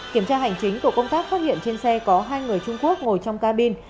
kiểm tra hành chính tổ công tác phát hiện trên xe có hai người trung quốc ngồi trong cabin